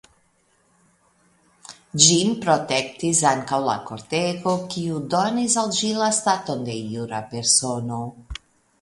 Ĝin protektis ankaŭ la kortego kiu donis al ĝi la staton de jura persono.